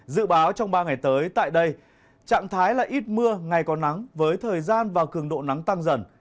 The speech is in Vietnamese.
dự báo trong ba ngày tới tại đây trạng thái là ít mưa ngày có nắng với thời gian và cường độ nắng tăng dần